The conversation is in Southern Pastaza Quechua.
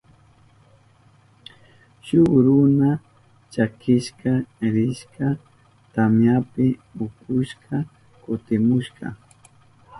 Shuk runa chakishka rishka tamyapi ukushka kutimushka.